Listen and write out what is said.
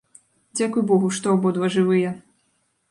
Дзякуй богу, што абодва жывыя.